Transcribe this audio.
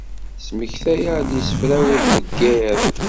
Ttmektayeɣ-d isefra-w deg yiḍ.